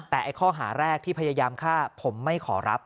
แต่ข้อหาแรกที่พยายามฆ่าผมไม่ขอรับ